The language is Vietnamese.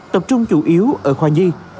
tập trung chủ yếu ở khoa nhi